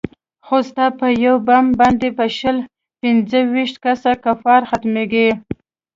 خو ستا په يو بم باندې به شل پينځه ويشت کسه کفار ختميګي.